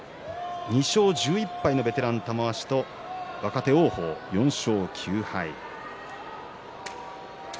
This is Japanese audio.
２勝１１敗の玉鷲ベテランと若手王鵬４勝９敗。